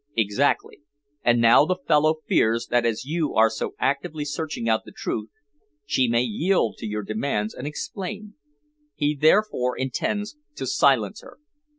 "Exactly. And now the fellow fears that as you are so actively searching out the truth, she may yield to your demands and explain. He therefore intends to silence her."